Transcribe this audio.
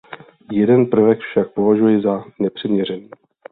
Jeden prvek však považuji za nepřiměřený.